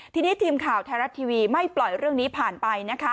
ทีนี้ทีมข่าวไทยรัฐทีวีไม่ปล่อยเรื่องนี้ผ่านไปนะคะ